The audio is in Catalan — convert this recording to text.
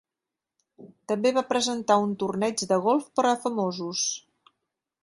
També va presentar un torneig de golf per a famosos.